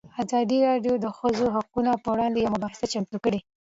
ازادي راډیو د د ښځو حقونه پر وړاندې یوه مباحثه چمتو کړې.